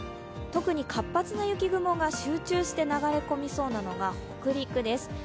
特に活発な雪雲が集中して流れ込みそうなのが北陸です。